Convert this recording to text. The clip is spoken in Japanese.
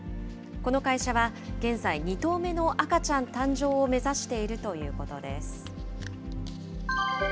この会社は現在、２頭目の赤ちゃん誕生を目指しているということです。